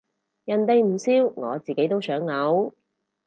人哋唔笑我自己都想嘔